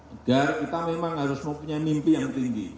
agar kita memang harus mempunyai mimpi yang tinggi